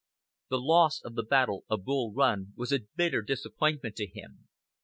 The loss of the battle of Bull Run was a bitter disappointment to him.